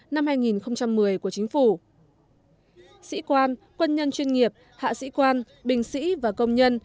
năm hai nghìn một mươi của chính phủ sĩ quan quân nhân chuyên nghiệp hạ sĩ quan bình sĩ và công nhân